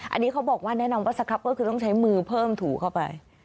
อันนี้บอกแนะนำว่าสครับก็ใช้คือมือเพิ่มถูอกเข้าไป